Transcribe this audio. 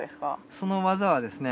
その技はですね